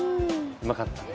うまかったね。